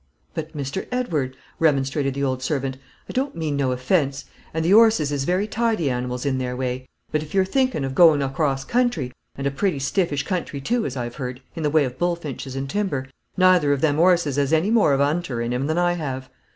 "But, Mr. Edward," remonstrated the old servant, "I don't mean no offence; and the 'orses is very tidy animals in their way; but if you're thinkin' of goin' across country, and a pretty stiffish country too, as I've heard, in the way of bulfinches and timber, neither of them 'orses has any more of a 'unter in him than I have."